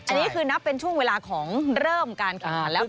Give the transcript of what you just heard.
อันนี้คือเป็นช่วงเวลาเริ่มการครับแล้วเหลอะ